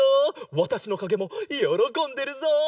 わたしのかげもよろこんでるぞ！